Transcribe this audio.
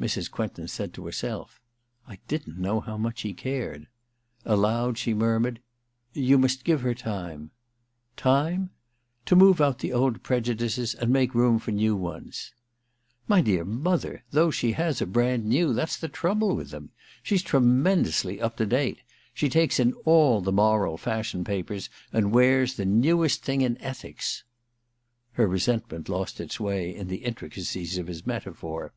Mrs. Quentin said to herself : *I didn't know how much he cared !' Aloud she murmured :* You must give her time.' 1 I THE QUICKSAND 287 * To move out the old prejudices and make room for new ones/ • My dear mother, those she has are brand new ; that's the trouble with them. She's tremendously up to date. She takes in all the moral fashion papers, and wears the newest thing in ethics.' Her resentment lost its way in the intricacies of his metaphor.